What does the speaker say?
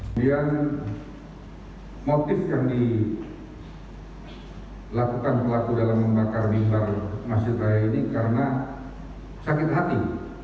kemudian motif yang dilakukan pelaku dalam membakar misal masjid raya ini karena sakit hati